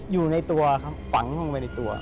อยู่ในตัวครับฝังลงไปในตัว